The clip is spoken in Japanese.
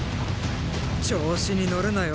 調子に乗るなよ